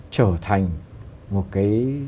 trở thành một cái